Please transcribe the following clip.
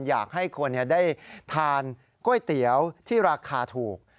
อยากให้คนได้ทานก๋วยเตี๋ยวที่ราคาถูก